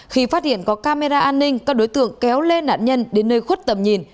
khi phát hiện có camera an ninh các đối tượng kéo lê nạn nhân đến nơi khuất tầm nhìn